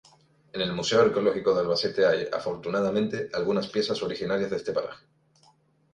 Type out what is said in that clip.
En el Museo Arqueológico de Albacete hay, afortunadamente, algunas piezas originarias de este paraje.